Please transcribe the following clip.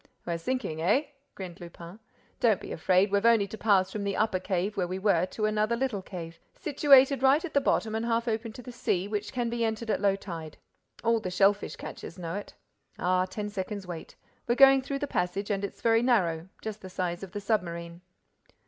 "We're sinking, eh?" grinned Lupin. "Don't be afraid—we've only to pass from the upper cave where we were to another little cave, situated right at the bottom and half open to the sea, which can be entered at low tide. All the shellfish catchers know it. Ah, ten seconds' wait! We're going through the passage and it's very narrow, just the size of the submarine."